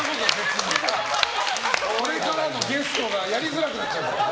これからのゲストがやりづらくなっちゃう。